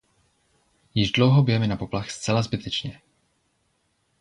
Již dlouho bijeme na poplach zcela zbytečně.